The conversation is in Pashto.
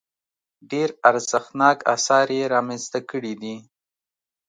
ډېر ارزښتناک اثار یې رامنځته کړي دي.